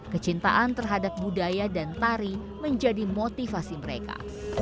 kecintaan terhadap budaya dan tari menjadi motivasi mereka